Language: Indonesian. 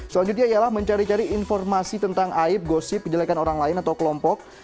selanjutnya ialah mencari cari informasi tentang aib gosip jelekan orang lain atau kelompok